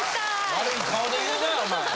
悪い顔で言うなぁお前。